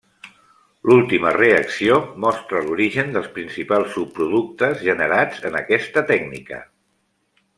L'última reacció mostra l'origen dels principals subproductes generats en aquesta tècnica.